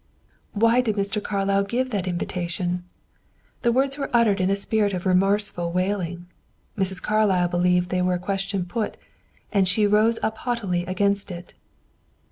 "Why did Mr. Carlyle give that invitation?" The words were uttered in a spirit of remorseful wailing. Mrs. Carlyle believed they were a question put, and she rose up haughtily against it.